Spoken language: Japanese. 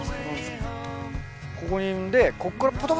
ここに産んで。